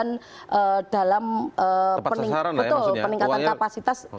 untuk tujuan dalam peningkatan kapasitas